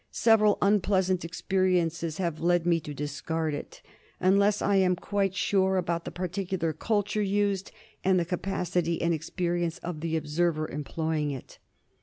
Several unpleasant experiences have led me to discard it, unless I am quite sure about the particular culture used and the capacity and experience of the observer employing it.